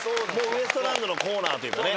ウエストランドのコーナーというかね。